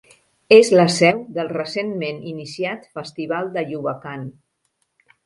És la seu del recentment iniciat festival de Yubakan.